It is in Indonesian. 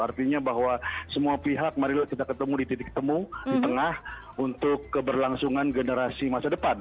artinya bahwa semua pihak marilah kita ketemu di titik temu di tengah untuk keberlangsungan generasi masa depan